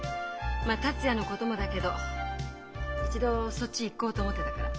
まあ達也のこともだけど一度そっち行こうと思ってたから。